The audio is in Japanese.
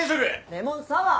レモンサワー！